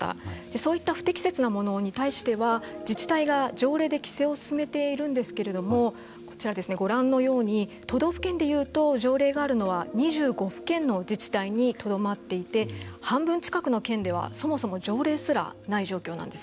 そういった不適切なものに対しては自治体が条例で規制を進めているんですけれどもこちら、ご覧のように都道府県で言うと条例があるのは２５府県の自治体にとどまっていて半分近くの県ではそもそも条例すらない状況なんです。